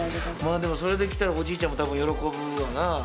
でもそれできたらおじいちゃんもたぶん喜ぶわな。